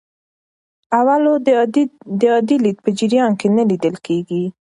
اولو د عادي لید په جریان کې نه لیدل کېږي.